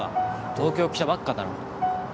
東京来たばっかだろ。